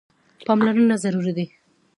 پاملرنه ضروري ده.